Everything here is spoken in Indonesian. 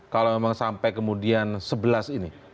kalau memang sampai kemudian sebelas ini